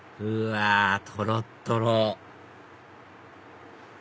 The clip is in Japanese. うわとろとろ！